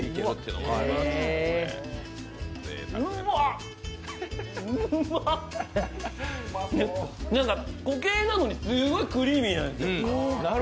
うまい固形なのにすごいクリーミーなんですよ。